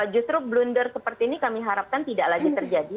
justru blunder seperti ini kami harapkan tidak lagi terjadi